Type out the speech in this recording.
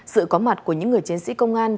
sự có mặt của những người chiến sĩ công an